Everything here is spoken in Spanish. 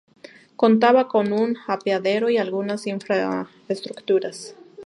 Contaba con un apeadero y algunas infraestructuras.